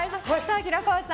平川さん